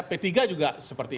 p tiga juga seperti